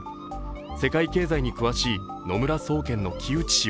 世界経済に詳しい野村総研の木内氏は